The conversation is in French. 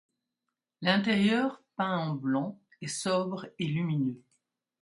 L'intérieur, peint en blanc, est sobre et lumineux.